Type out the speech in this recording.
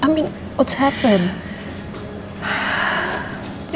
maksudku apa yang terjadi